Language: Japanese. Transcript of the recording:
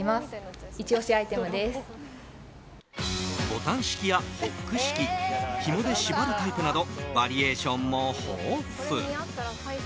ボタン式やホック式ひもで縛るタイプなどバリエーションも豊富。